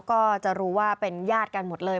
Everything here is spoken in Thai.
ก็จะรู้ว่าเป็นญาติกันหมดเลย